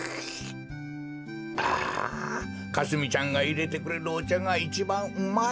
あかすみちゃんがいれてくれるおちゃがいちばんうまい。